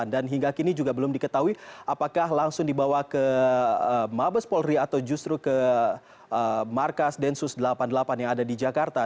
dan hingga kini juga belum diketahui apakah langsung dibawa ke mabes polri atau justru ke markas densus delapan puluh delapan yang ada di jakarta